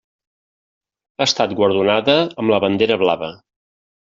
Ha estat guardonada amb la Bandera Blava.